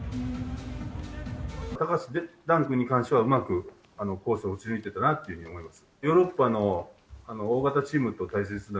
高橋藍君に関してはうまくコースを打ち抜いてたなと思います。